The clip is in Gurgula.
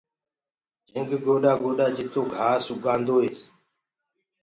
جهنٚگ گوڏآ گوڏآ جِتو گھآس اُگآنٚدوئي